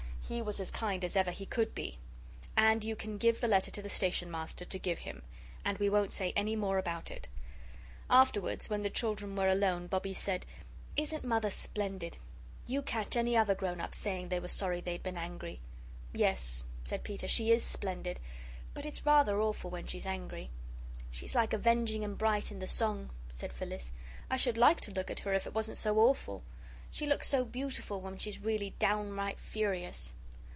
He was as kind as ever he could be. And you can give the letter to the Station Master to give him and we won't say any more about it." Afterwards, when the children were alone, Bobbie said: "Isn't Mother splendid? You catch any other grown up saying they were sorry they had been angry." "Yes," said Peter, "she IS splendid; but it's rather awful when she's angry." "She's like Avenging and Bright in the song," said Phyllis. "I should like to look at her if it wasn't so awful. She looks so beautiful when she's really downright furious."